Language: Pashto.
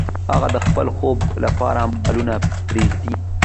هغه د خپل خوب لپاره مالونه پریږدي.